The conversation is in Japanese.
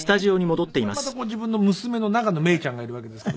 そこにまた自分の娘の永野芽郁ちゃんがいるわけですけど。